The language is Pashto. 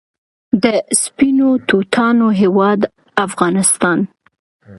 د سپینو توتانو هیواد افغانستان.